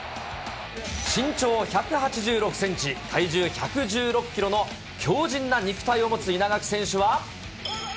身長１８６センチ、体重１１６キロの強じんな肉体を持つ稲垣選手は。